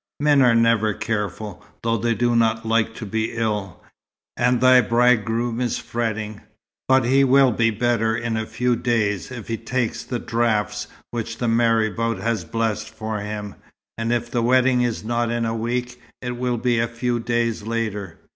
Men are never careful, though they do not like to be ill, and thy bridegroom is fretting. But he will be better in a few days if he takes the draughts which the marabout has blessed for him; and if the wedding is not in a week, it will be a few days later.